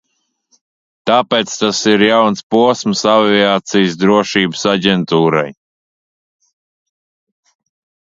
Tāpēc tas ir jauns posms Aviācijas drošības aģentūrai.